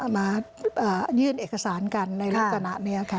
มายื่นเอกสารกันในลักษณะนี้ค่ะ